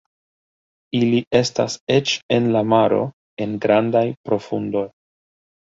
Ili estas eĉ en la maro en grandaj profundoj.